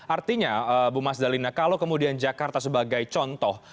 artinya bu mas dalina kalau kemudian jakarta sebagai contoh